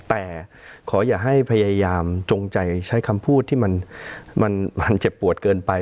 แต่ขออย่าให้พยายามจงใจใช้คำพูดที่มันเจ็บปวดเกินไป